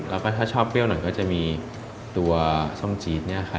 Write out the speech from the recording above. แล้วก็ถ้าชอบเปรี้ยวหน่อยก็จะมีตัวส้มจี๊ด